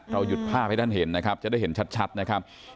หยุดภาพให้ท่านเห็นนะครับจะได้เห็นชัดนะครับ